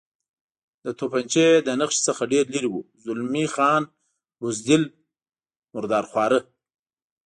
د تفنګچې له نښې څخه ډېر لرې و، زلمی خان: بزدل، مرادرخواره.